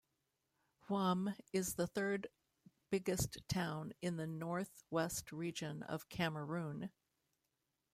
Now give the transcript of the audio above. Wum is the third biggest town in the North West Region of Cameroon.